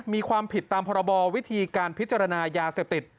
มีความผิดตามพรบวิธีการพิจารณายาเสพติด